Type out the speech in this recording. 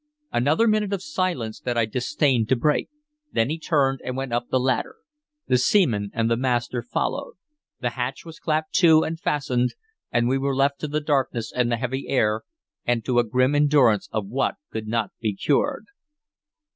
Another minute of a silence that I disdained to break; then he turned and went up the ladder. The seamen and the master followed. The hatch was clapped to and fastened, and we were left to the darkness and the heavy air, and to a grim endurance of what could not be cured.